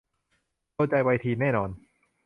โดนใจวัยทีนแน่นอน